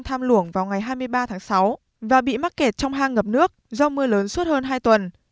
tham luộng vào ngày hai mươi ba tháng sáu và bị mắc kẹt trong hang ngập nước do mưa lớn suốt hơn hai tuần